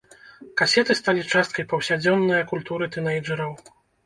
Касеты сталі часткай паўсядзённая культуры тынэйджэраў.